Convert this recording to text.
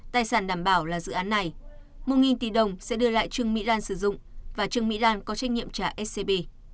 một tỷ đồng sẽ đưa lại trương mỹ lan sử dụng và trương mỹ lan có trách nhiệm trả scb